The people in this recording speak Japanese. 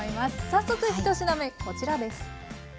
早速１品目こちらです。